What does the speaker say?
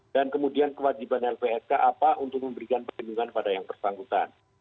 kemudian kewajiban lpsk apa untuk memberikan perlindungan pada yang bersangkutan